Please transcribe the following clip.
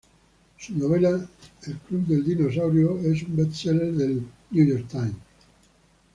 Su novela "The Dinosaur Club" es un bestseller del New York Times.